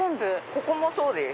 ここもそうです。